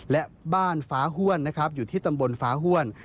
และบ้านฟ้าฮวนอยู่ที่ตำบลฟ้าฮวน